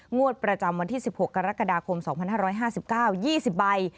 งวดประจำวันที่๑๖กรกฎาคม๒๕๕๙๒๐ใบ